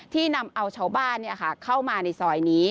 นำเอาชาวบ้านเข้ามาในซอยนี้